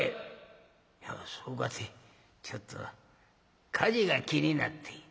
「いやそうかてちょっと火事が気になって」。